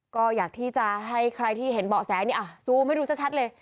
ก็อยากที่จะให้ใครที่เห็นเบาะแสนี่ซูมให้ดูชัดเลย